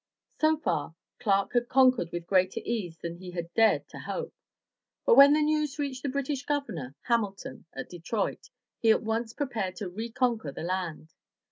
So far, Clark had conquered with greater ease than he had dared to hope. But when the news reached the British governor, Hamilton, at Detroit, he at once prepared to reconquer the land.